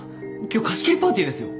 今日貸し切りパーティーですよ？